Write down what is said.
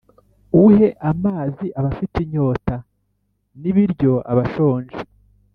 uhe amazi abafite inyota n'ibiryo abashonje.